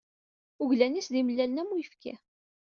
Uglan-is d imellalen am uyefki.